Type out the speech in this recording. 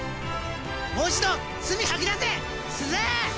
もう一度すみ吐き出せすず！